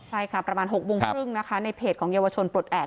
ใช่ค่ะประมาณ๖โมงครึ่งนะคะในเพจของเยาวชนปลดแอบ